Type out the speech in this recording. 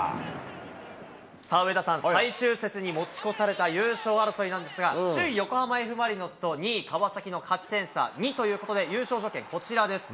さあ、上田さん、最終節に持ち越された優勝争いなんですが、首位横浜Ｆ・マリノスと、２位川崎の勝ち点差２ということで、優勝条件、こちらです。